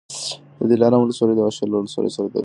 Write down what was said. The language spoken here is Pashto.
د دلارام ولسوالي د واشېر له ولسوالۍ سره تاریخي اړیکې لري